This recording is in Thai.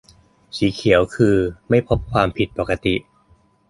- สีเขียวคือ ไม่พบความผิดปกติ